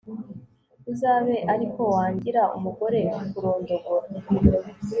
uzabe ari ko wangira umugore kurondogora